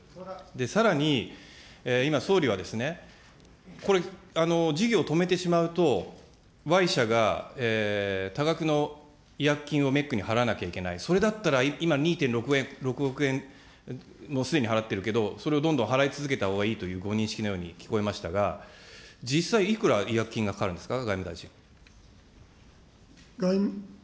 さらに、今、総理はですね、これ、事業を止めてしまうと、Ｙ社が多額の違約金をメックに払わなければいけない、それだったら、今、２．６億円、もうすでに払っているけれど、それをどんどん払い続けたほうがいいというご認識のように聞こえましたが、実際、いくら、違約金がかかるんですか、外務大臣。